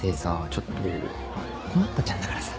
ちょっと困ったちゃんだからさ。